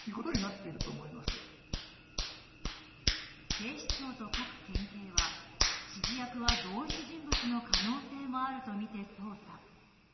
警視庁と各県警は指示役は同一人物の可能性もあるとみて捜査。